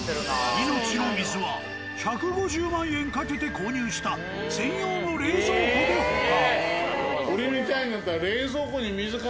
命の水は１５０万円かけて購入した専用の冷蔵庫で保管。